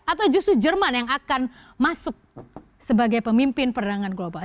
atau justru jerman yang akan masuk sebagai pemimpin perdagangan global